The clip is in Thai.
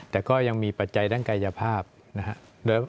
แต่ก็ยังมีปัจจัยด้านกายภาพนะครับ